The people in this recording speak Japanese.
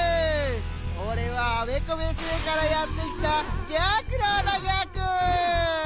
おれはあべこべせいからやってきたギャクラーだギャク！